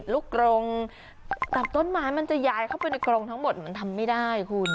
กรงกับต้นไม้มันจะย้ายเข้าไปในกรงทั้งหมดมันทำไม่ได้คุณ